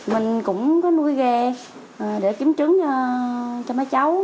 mình cũng có nuôi ghe để kiếm trứng cho mấy cháu